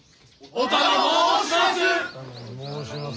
お頼申します。